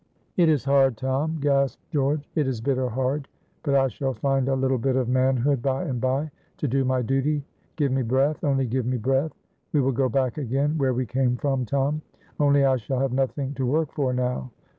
"It is hard, Tom," gasped George; "it is bitter hard; but I shall find a little bit of manhood by and by to do my duty. Give me breath! only give me breath! We will go back again where we came from, Tom; only I shall have nothing to work for now.